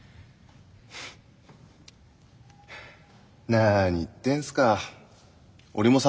なに言ってんすか。